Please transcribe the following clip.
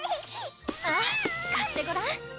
あぁかしてごらん？